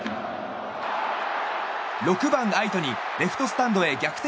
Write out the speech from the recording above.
６番、愛斗にレフトスタンドへ逆転